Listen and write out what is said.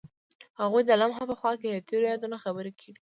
هغوی د لمحه په خوا کې تیرو یادونو خبرې کړې.